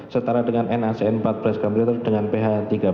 setara dengan nacn empat belas km dengan ph tiga belas